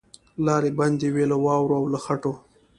لاري بندي وې له واورو او له خټو